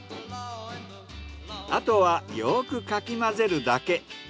あとはよくかき混ぜるだけ。